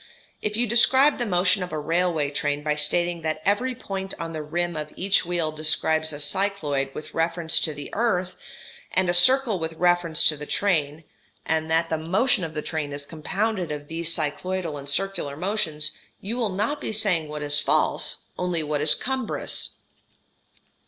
If you describe the motion of a railway train by stating that every point on the rim of each wheel describes a cycloid with reference to the earth, and a circle with reference to the train, and that the motion of the train is compounded of these cycloidal and circular motions, you will not be saying what is false, only what is cumbrous.